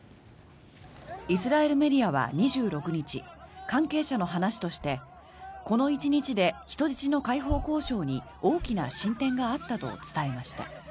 イスラエルメディアは２６日関係者の話としてこの１日で人質の解放交渉に大きな進展があったと伝えました。